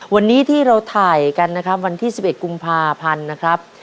วันนี้ที่เราถ่ายกันนะครับวันที่๑๑กุมภาพันธ์นะครับ